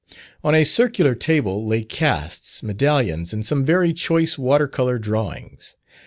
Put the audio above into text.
On a circular table lay casts, medallions, and some very choice water colour drawings.